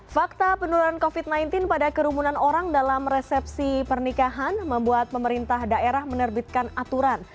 fakta penurunan covid sembilan belas pada kerumunan orang dalam resepsi pernikahan membuat pemerintah daerah menerbitkan aturan